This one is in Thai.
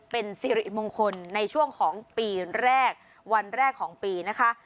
เป็นสิริมงคลในช่วงของปีแรกวันแรกของปีนะคะ